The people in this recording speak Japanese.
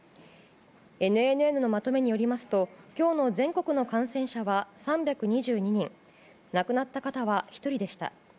ＮＮＮのまとめによりますと今日の全国の感染者は３２２人亡くなった方は１人でした。